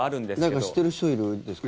誰か知ってる人いるんですか？